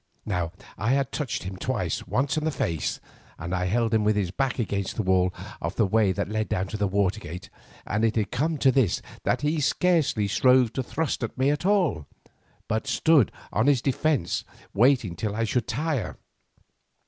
Now I had touched him twice, once in the face, and I held him with his back against the wall of the way that led down to the water gate, and it had come to this, that he scarcely strove to thrust at me at all, but stood on his defence waiting till I should tire.